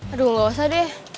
aduh gak usah deh